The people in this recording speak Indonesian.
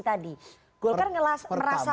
tadi golkar merasa